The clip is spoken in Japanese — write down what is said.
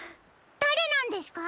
だれなんですか？